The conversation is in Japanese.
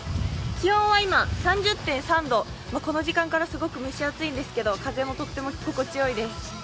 気温は今、３０．３度、この時間からすごく蒸し暑いんですけど風もとっても心地よいです。